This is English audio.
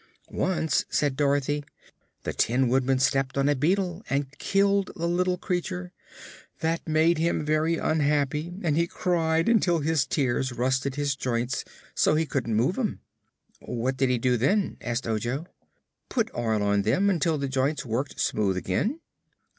"Once," said Dorothy, "the Tin Woodman stepped on a beetle and killed the little creature. That made him very unhappy and he cried until his tears rusted his joints, so he couldn't move 'em." "What did he do then?" asked Ojo. "Put oil on them, until the joints worked smooth again."